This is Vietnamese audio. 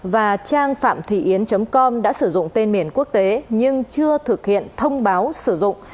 và trang phạmthịyến com đã sử dụng tên miền quốc tế nhưng chưa thực hiện thông báo sử dụng